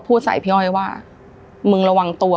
เบาสร้างวันมีตาย